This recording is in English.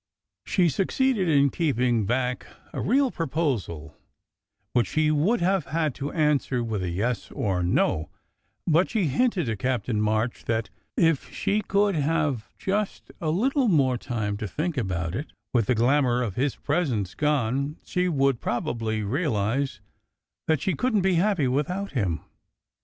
She succeeded in keeping back a real proposal which she would have had to answer with a "yes" or "no"; but she hinted to Captain March that, if she could have just a little more time to think about it, with the glamour of his presence gone, she would probably realize that she couldn t be happy without him.